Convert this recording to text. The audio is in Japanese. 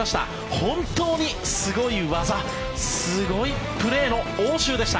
本当にすごい技すごいプレーの応酬でした。